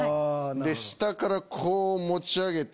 下からこう持ち上げて。